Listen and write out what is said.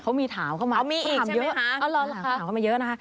เขามีถามเข้ามาเยอะนะ